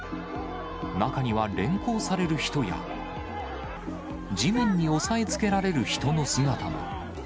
中には連行される人や、地面に押さえつけられる人の姿も。